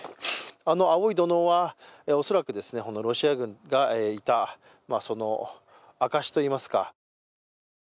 あの青い土のうは恐らくロシア軍がいた、その証しといいますか。